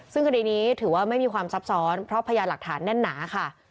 ซึ่งคดีนี้ถือว่าไม่มีความซับซ้อนเพราะพยานหลักฐานแน่นหนาค่ะ